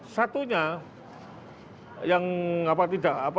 satunya yang apa tidak